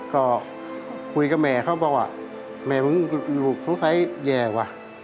ก็คุยกับแม่เขาบอกว่าแม่ต้องอยู่ถ้าใสอย่างไง